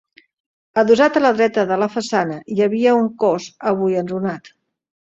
Adossat a la dreta de la façana hi havia un cos avui enrunat.